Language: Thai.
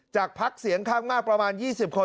จากภักดิ์เสียงข้างมากประมาณ๒๐คน